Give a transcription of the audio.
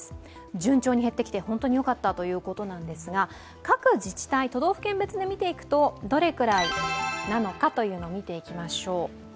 順調に減ってきて、本当によかったということなんですが、各自治体、都道府県別で見ていくとどれくらいなのかを見ていきましょう。